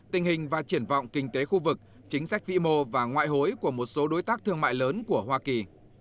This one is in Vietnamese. tình hình và triển vọng kinh tế khu vực chính sách vĩ mô và ngoại hối của một số đối tác thương mại lớn của hoa kỳ